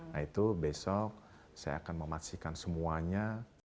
nah itu besok saya akan memastikan semuanya